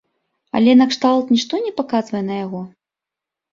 Але накшталт нішто не паказвае на яго?